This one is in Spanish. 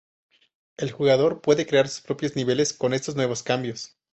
El jugador puede crear sus propios niveles con estos nuevos cambios.